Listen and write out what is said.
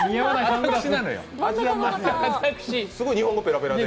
すごい日本語ペラペラで。